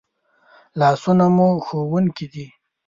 لاسونه مو ښوونکي دي